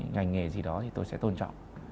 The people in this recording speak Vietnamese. ngành nghề gì đó thì tôi sẽ tôn trọng